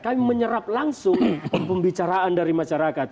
kami menyerap langsung pembicaraan dari masyarakat